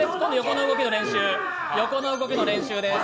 横の動きの練習です。